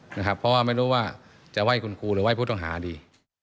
เพราะว่าไม่รู้ว่าจะไหว้คุณครูหรือไห้ผู้ต้องหาดี